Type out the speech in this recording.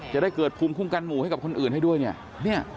จะได้เกิดภูมิคุ้มกันหมู่ให้กับคนอื่นให้ด้วยเนี่ย